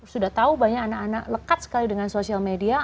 sudah tahu banyak anak anak lekat sekali dengan sosial media